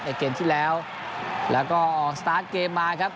ในเกมท์ที่แล้วแล้วก็สตาร์ตเกมมาครับ